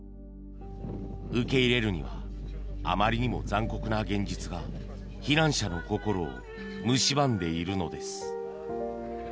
受け入れるにはあまりにも残酷な現実が避難者の心をむしばんでいるのです。